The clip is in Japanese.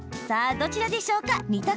さあ、どちらでしょうか？